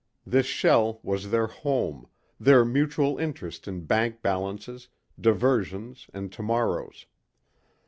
This shell was their home, their mutual interest in bank balances, diversions and tomorrows.